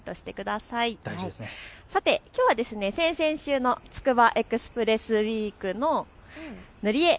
さて、きょうは先々週のつくばエクスプレスウイークの塗り絵。